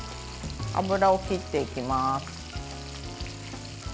油を切っていきます。